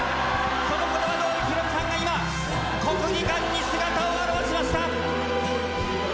そのことばどおり、ヒロミさんが今、国技館に姿を現しました。